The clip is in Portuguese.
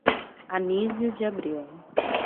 Anísio de Abreu